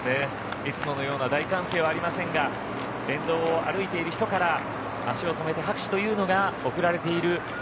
いつものような大歓声はありませんが沿道を歩いている人から足を止めて拍手というのが送られている